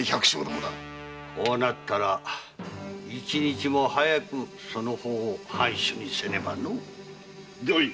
こうなったら一日も早くその方を藩主にせねばのぅ。